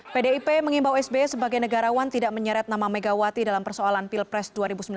pdip mengimbau sbe sebagai negarawan tidak menyeret nama megawati dalam persoalan pilpres dua ribu sembilan belas